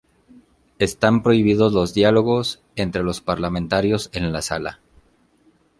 Están prohibidos los diálogos entre los parlamentarios en la sala.